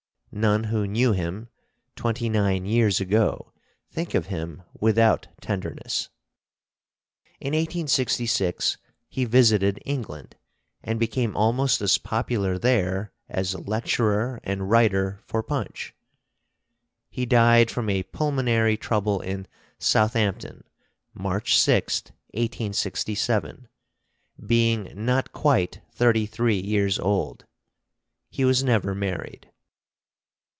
None who knew him twenty nine years ago think of him without tenderness. In 1866 he visited England, and became almost as popular there as lecturer and writer for Punch. He died from a pulmonary trouble in Southampton, March 6th, 1867, being not quite thirty three years old. He was never married.